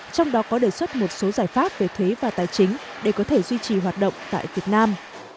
trong đó có đề xuất một số giải pháp về thuế và tài chính để có thể duy trì hoạt động tại việt nam